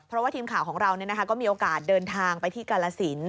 เพราะว่าทีมข่าวของเราก็มีโอกาสเดินทางไปที่กาลสิน